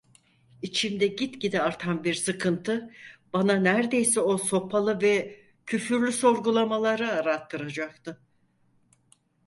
İçimde gitgide artan bir sıkıntı bana nerdeyse o sopalı ve küfürlü sorgulamaları arattıracaktı.